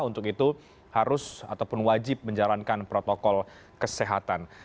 untuk itu harus ataupun wajib menjalankan protokol kesehatan